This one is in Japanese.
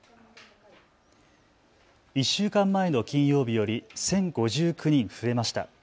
１週間前の金曜日より１０５９人増えました。